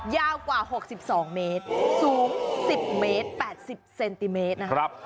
ยาวกว่า๖๒เมตรสูง๑๐เมตร๘๐เซนติเมตรนะครับ